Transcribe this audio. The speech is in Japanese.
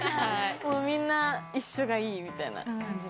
もうみんな一緒がいいみたいな感じで。